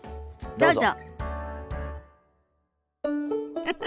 どうぞ。